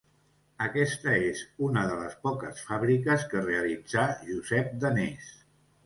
Aquesta és una de les poques fàbriques que realitzà Josep Danés.